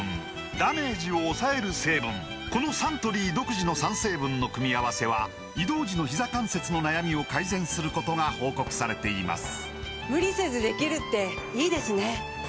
このサントリー独自の３成分の組み合わせは移動時のひざ関節の悩みを改善することが報告されています